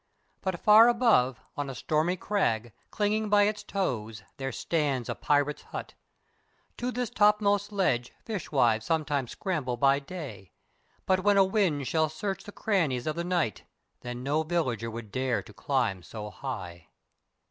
But far above, on a stormy crag, clinging by its toes, there stands a pirates' hut. To this topmost ledge fishwives sometimes scramble by day; but when a wind shall search the crannies of the night, then no villager would dare to climb so high.